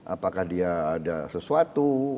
apakah dia ada sesuatu